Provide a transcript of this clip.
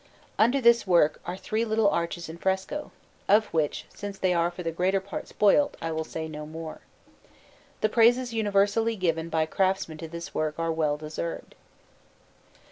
Under this work are three little arches in fresco, of which, since they are for the greater part spoilt, I will say no more. The praises universally given by craftsmen to this work are well deserved.